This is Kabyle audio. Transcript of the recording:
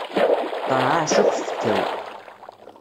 Terɛaɛec akk tfekka-w.